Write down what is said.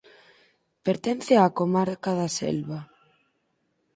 Pertence á comarca da Selva.